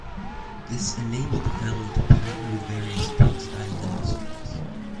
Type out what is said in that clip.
This enabled the family to partner with various textile industries.